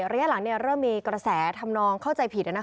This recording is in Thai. ระยะหลังเริ่มมีกระแสทำนองเข้าใจผิด